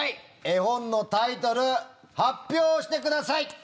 絵本のタイトル発表してください！